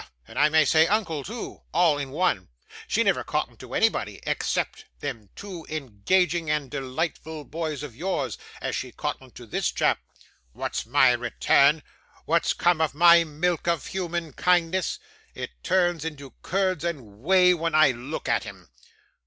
and I may say uncle too, all in one. She never cottoned to anybody, except them two engaging and delightful boys of yours, as she cottoned to this chap. What's my return? What's come of my milk of human kindness? It turns into curds and whey when I look at him.